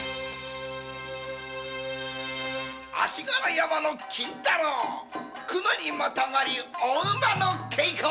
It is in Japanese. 足柄山の金太郎熊にまたがりお馬のけいこ！